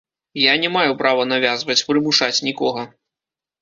Я не маю права навязваць, прымушаць нікога.